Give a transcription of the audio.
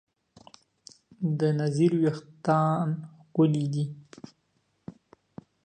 د نذیر وېښتیان ښکلي دي.